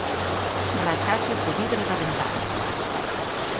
Rachaches o vidro da ventá